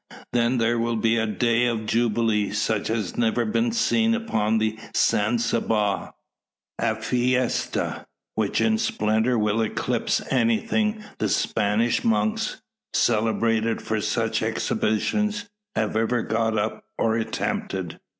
Then there will be a day of jubilee, such as has never been seen upon the San Saba; a fiesta, which in splendour will eclipse anything the Spanish monks, celebrated for such exhibitions, have ever got up, or attempted.